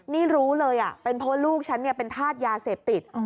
นี่รู้เลยเป็นเพราะว่าลูกฉันเป็นธาตุยาเสพติด